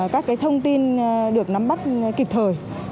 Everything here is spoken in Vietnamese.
các cái thông tin được nắm bắt kịp thời